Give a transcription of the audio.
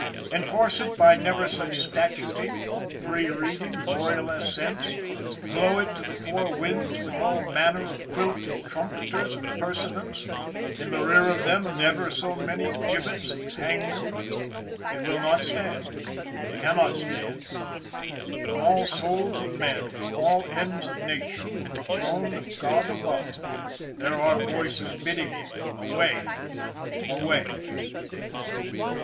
Enforce it by never such statuting, three readings, royal assents; blow it to the four winds with all manner of quilted trumpeters and pursuivants, in the rear of them never so many gibbets and hangmen, it will not stand, it cannot stand. From all souls of men, from all ends of Nature, from the Throne of God above, there are voices bidding it: Away! Away!